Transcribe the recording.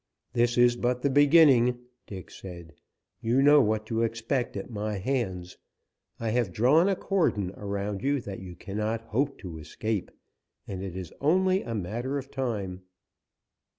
"This is but the beginning," Dick said. "You know what to expect at my hands. I have drawn a cordon around you that you cannot hope to escape, and it is only a matter of time."